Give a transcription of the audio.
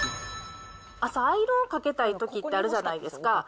朝、アイロンかけたいときってあるじゃないですか。